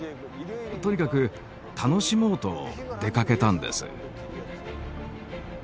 とにかく楽しもうと出かけたんです。